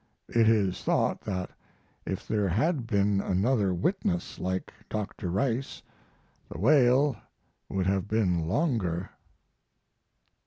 It is thought that if there had been another witness like Dr. Rice the whale would have been longer.